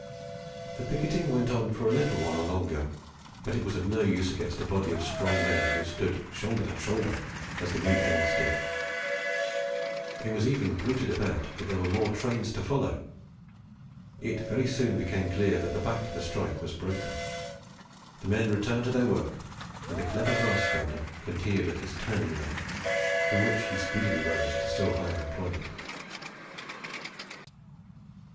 The "picketing" went on for a little while longer, but it was of no use against a body of strong men who stood "shouther to shouther," as the new hands did. It was even bruited about that there were more trains to follow! It very soon became clear that the back of the strike was broken. The men returned to their work, and the clever brass founder continued at his turning lathe, from which he speedily rose to still higher employment.